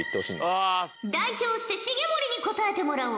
代表して重盛に答えてもらおう。